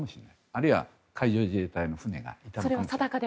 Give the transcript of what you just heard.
あるいは海上自衛隊の船がいたのかもしれません。